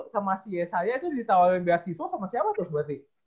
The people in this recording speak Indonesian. sama si yesaya itu ditawarin biasa siswa sama siapa tuh berarti